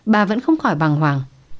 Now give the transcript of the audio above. bà vẫn không khỏi bằng hoàng